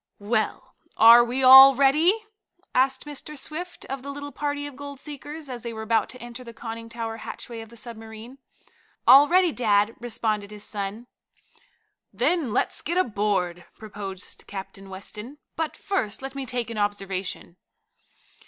"Well, are we all ready?" asked Mr. Swift of the little party of gold seekers, as they were about to enter the conning tower hatchway of the submarine. "All ready, dad," responded his son. "Then let's get aboard," proposed Captain Weston. "But first let me take an observation."